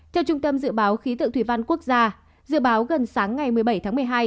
theo trung tâm dự báo khí tượng thủy văn quốc gia dự báo gần sáng ngày một mươi bảy tháng một mươi hai